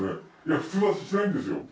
普通はしないんですよ。